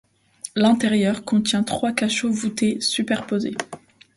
L'intérieur contient trois cachots voûtés superposés.